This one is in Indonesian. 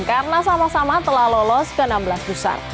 karena sama sama telah lolos ke enam belas besar